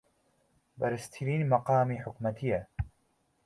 بەرزترین مەقامی حکوومەتییە